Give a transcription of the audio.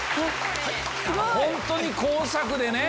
本当に工作でね。